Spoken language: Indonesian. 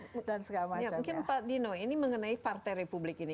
mungkin pak dino ini mengenai partai republik ini